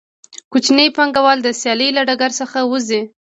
کوچني پانګوال د سیالۍ له ډګر څخه وځي